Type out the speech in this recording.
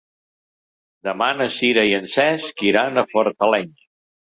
Demà na Sira i en Cesc iran a Fortaleny.